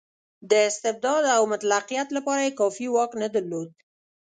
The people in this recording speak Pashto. د استبداد او مطلقیت لپاره یې کافي واک نه درلود.